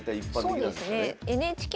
そうですね。